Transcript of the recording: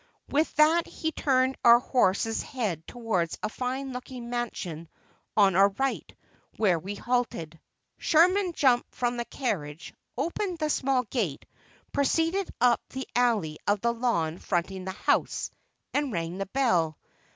With that he turned our horse's head towards a fine looking mansion on our right, where we halted. Sherman jumped from the carriage, opened the small gate, proceeded up the alley of the lawn fronting the house, and rang the bell.